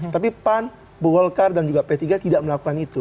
tapi pan bugolkar dan juga p tiga tidak melakukan itu